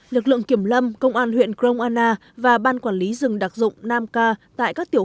lực lượng kiểm lâm công an huyện krong anna và ban quản lý rừng đặc dụng nam ca tại các tiểu